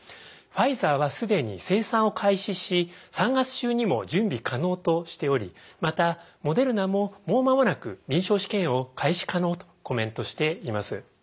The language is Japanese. ファイザーは既に生産を開始し３月中にも準備可能としておりまたモデルナももう間もなく臨床試験を開始可能とコメントしています。